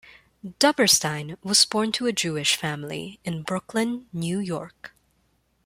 Duberstein was born to a Jewish family, in Brooklyn, New York.